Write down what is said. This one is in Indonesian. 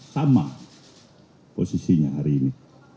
sama posisinya hari ini